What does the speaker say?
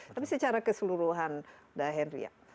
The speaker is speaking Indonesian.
tapi secara keseluruhan udah henry ya